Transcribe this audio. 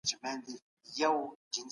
هغه کتابونه لوستي دي.